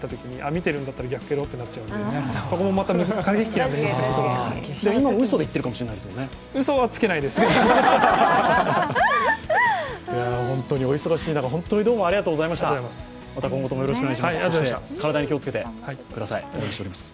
じゃあ今のうそで言ってるかもしれないですもんね。